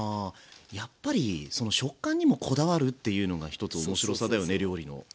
やっぱりその食感にもこだわるっていうのが一つ面白さだよね料理の。